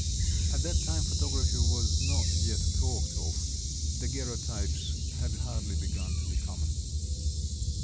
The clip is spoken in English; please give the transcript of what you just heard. (At that time photography was not yet talked off. Daguerrotypes had hardly begun to be common.)